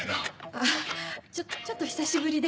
あっちょっと久しぶりで。